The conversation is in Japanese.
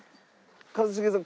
一茂さん